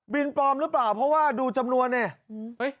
ปลอมหรือเปล่าเพราะว่าดูจำนวนเนี่ย